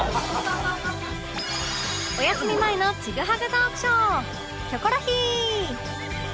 お休み前のちぐはぐトークショー